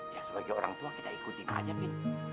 ya sebagai orang tua kita ikutin aja bin